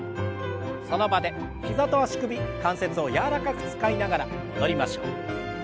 その場で膝と足首関節を柔らかく使いながら戻りましょう。